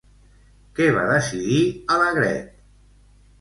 Què va decidir Alegret?